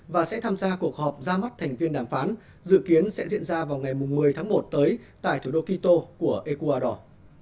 và sẽ tham gia cuộc họp ra mắt thành viên đàm phán dự kiến sẽ diễn ra vào ngày một mươi tháng một tới tại thủ đô quito của ecuador